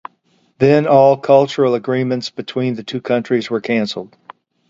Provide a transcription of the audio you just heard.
Then all cultural agreements between the two countries were cancelled.